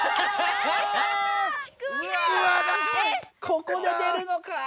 ここで出るのか。